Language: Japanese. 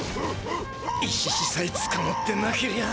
イシシさえつかまってなけりゃ。